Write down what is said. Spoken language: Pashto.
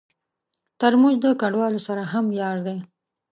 ترموز د کډوالو سره هم یار دی.